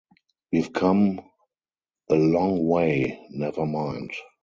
We've come a long way; never mind.